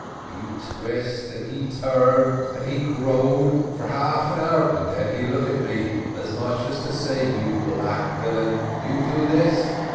He twist, and he turn and he groan for half an hour, and den he look at me, as much as to say, you black villain, you do this?